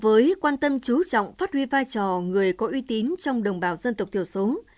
với quan tâm chú trọng phát huy vai trò người có uy tín trong đồng bào dân tộc thiểu số